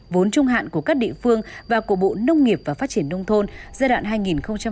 vốn trung hạn của các địa phương và cổ bộ nông nghiệp và phát triển nông thôn giai đoạn hai nghìn hai mươi một hai nghìn hai mươi năm